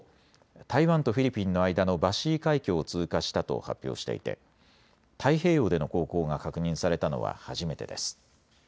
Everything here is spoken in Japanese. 台湾とフィリピンの間のバシー海峡を通過したと発表していて太平洋での航行が確認されたのは初めてです。